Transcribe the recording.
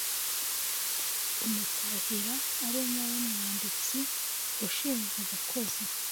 Umutahira ari nawe mwanditsi: Ushinzwe abakozi;